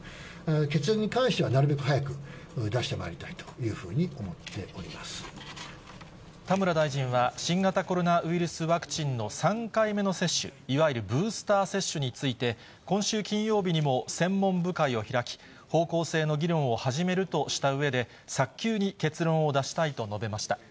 結論に関してはなるべく早く出してまいりたいというふうに思って田村大臣は、新型コロナウイルスワクチンの３回目の接種、いわゆるブースター接種について、今週金曜日にも専門部会を開き、方向性の議論を始めるとしたうえで、早急に結論を出したいと述べました。